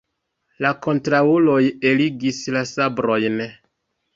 La kontraŭuloj eligis la sabrojn.